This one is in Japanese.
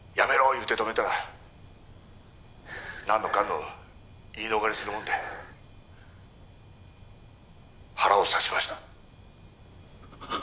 言うて止めたら何のかんの言い逃れするもんで腹を刺しました